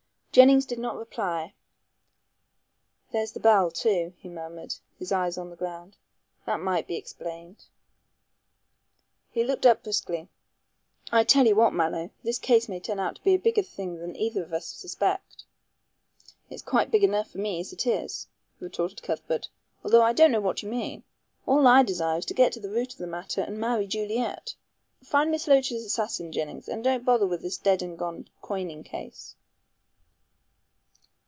Jennings did not reply. "There's the bell, too," he murmured, his eyes on the ground, "that might be explained." He looked up briskly. "I tell you what, Mallow, this case may turn out to be a bigger thing than either of us suspect." "It's quite big enough for me as it is," retorted Cuthbert, "although I don't know what you mean. All I desire is to get to the root of the matter and marry Juliet. Find Miss Loach's assassin, Jennings, and don't bother about this dead and gone coining case."